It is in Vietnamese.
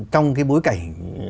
trong cái bối cảnh